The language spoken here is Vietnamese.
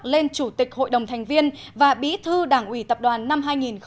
lên chủ tịch hội đồng thành viên và bí thư đảng ủy tập đoàn năm hai nghìn một mươi chín